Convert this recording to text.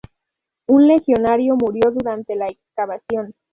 Un legionario murió durante la excavación.